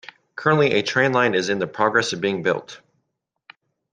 Currently a train line is in the progress of being built.